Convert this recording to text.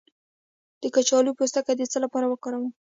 د کچالو پوستکی د څه لپاره وکاروم؟